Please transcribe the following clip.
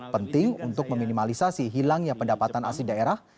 penting untuk meminimalisasi hilangnya pendapatan asli daerah